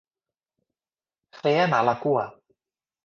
Fer anar la cua.